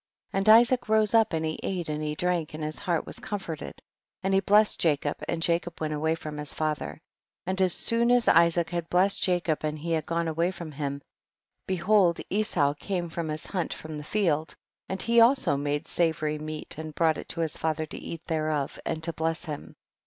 8. And Isaac rose up and he ate and he drank, and his heart was comforted, and he blessed Jacob, and Jacob went away from iiis father ; and as soon as Isaac had blessed Jacob and he had gone away from him, beiiold Esau came from his hunt from the field, and he also made savory meat and brought it to his father to eat thereof and to bless him.